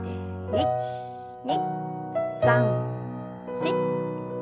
１２３４。